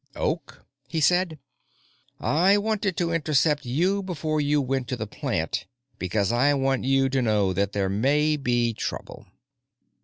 "Oak," he said, "I wanted to intercept you before you went to the plant because I want you to know that there may be trouble."